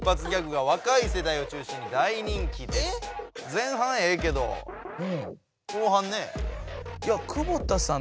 前半ええけど後半ね。